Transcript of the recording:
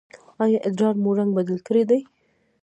ایا ادرار مو رنګ بدل کړی دی؟